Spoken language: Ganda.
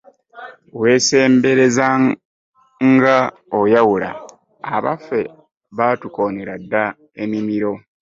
Wensembereza nga oyawula abaffe batukonera dda emimiro .